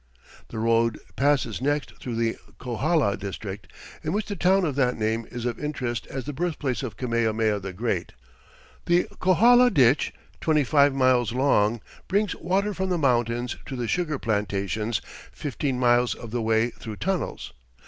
The road passes next through the Kohala district, in which the town of that name is of interest as the birthplace of Kamehameha the Great. The Kohala ditch, twenty five miles long, brings water from the mountains to the sugar plantations, fifteen miles of the way through tunnels.